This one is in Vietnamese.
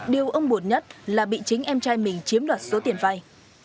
điều ông buồn nhất là bị chính em trai mình chiếm đoạt số tiền vay